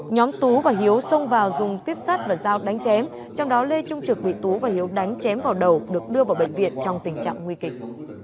nhóm tú và hiếu xông vào dùng tuyếp sắt và dao đánh chém trong đó lê trung trực bị tú và hiếu đánh chém vào đầu được đưa vào bệnh viện trong tình trạng nguy kịch